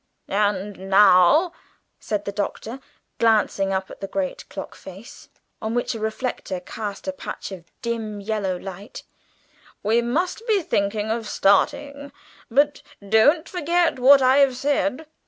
"And now," said the Doctor, glancing up at the great clock face on which a reflector cast a patch of dim yellow light, "we must be thinking of starting. But don't forget what I have said."